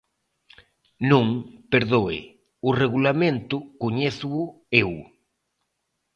¡Non, perdoe!, o Regulamento coñézoo eu.